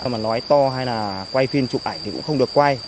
mà nói to hay là quay phim chụp ảnh thì cũng không được quay